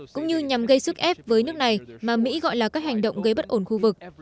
cũng như nhằm gây sức ép với nước này mà mỹ gọi là các hành động gây bất ổn khu vực